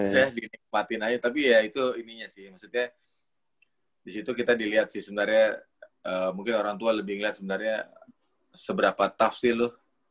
saya dinikmatin aja tapi ya itu ininya sih maksudnya disitu kita dilihat sih sebenarnya mungkin orang tua lebih ngelihat sebenarnya seberapa tough sih lu